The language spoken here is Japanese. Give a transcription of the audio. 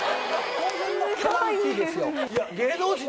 いや芸能人。